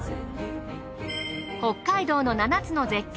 北海道の７つの絶景